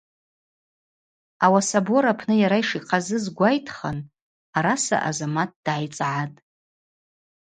Ауаса абора апны йара йшихъазыз гвы айтхын, араса Азамат дгӏайцӏгӏатӏ.